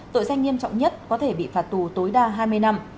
tội danh nghiêm trọng nhất có thể bị phạt tù tối đa hai mươi năm